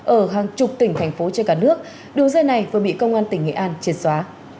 ở hàng chục tỉnh thành phố trên cả nước đường dây này vừa bị công an tỉnh nghệ an triệt xóa